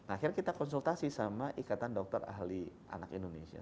akhirnya kita konsultasi sama ikatan dokter ahli anak indonesia